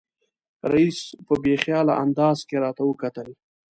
رییس په بې خیاله انداز کې راته وکتل.